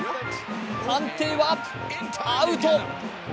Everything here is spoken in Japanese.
判定はアウト。